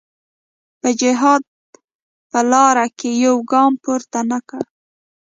په جهاد په لاره کې یو ګام پورته نه کړ.